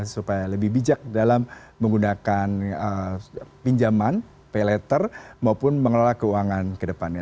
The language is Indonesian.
supaya lebih bijak dalam menggunakan pinjaman pay letter maupun mengelola keuangan kedepannya